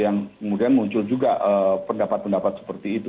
yang kemudian muncul juga pendapat pendapat seperti itu